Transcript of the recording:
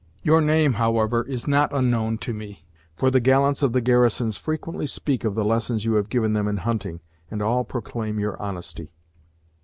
Your name, however, is not unknown to me; for the gallants of the garrisons frequently speak of the lessons you have given them in hunting, and all proclaim your honesty."